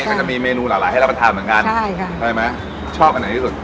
ใช่มันจะมีเมนูหลายให้เรามาทานเหมือนกันใช่ค่ะใช่ไหมชอบอันไหนที่สุด